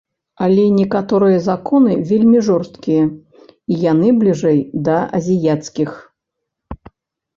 Але некаторыя законы вельмі жорсткія, і яны бліжэй да азіяцкіх.